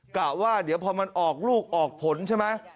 กะว่าเดี๋ยวพอมันออกลูกออกผลใช่ไหม